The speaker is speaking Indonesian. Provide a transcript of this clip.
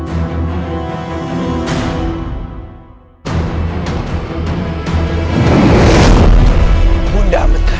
terima kasih kalian semua